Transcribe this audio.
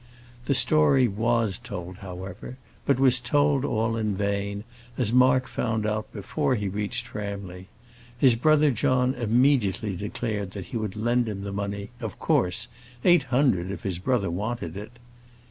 The story was told, however; but was told all in vain, as Mark found out before he reached Framley. His brother John immediately declared that he would lend him the money, of course eight hundred, if his brother wanted it.